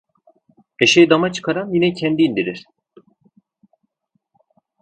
Eşeği dama çıkaran yine kendi indirir.